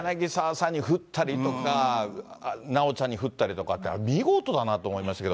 あのさんに振ったりとか、なおちゃんに振ったりとか、見事だなって思いましたけど。